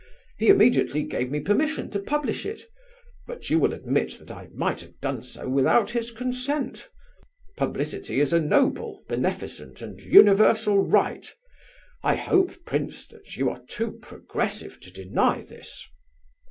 He immediately gave me permission to publish it, but you will admit that I might have done so without his consent. Publicity is a noble, beneficent, and universal right. I hope, prince, that you are too progressive to deny this?"